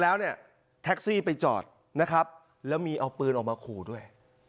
แล้วเนี่ยแท็กซี่ไปจอดนะครับแล้วมีเอาปืนออกมาขู่ด้วย